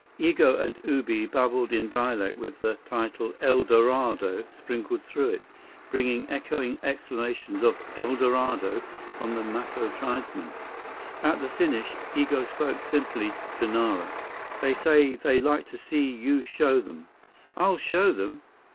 Igo and Ubi babbled in dialect with the title "El Dorado" sprinkled through it, bringing echoing exclamations of "El Dorado" from the Maco tribesmen. At the finish, Igo spoke simply to Nara: "They say they like to see you show them." "I'll show them!"